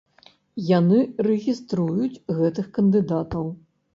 Яны рэгіструюць гэтых кандыдатаў.